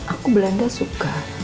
aku belanda suka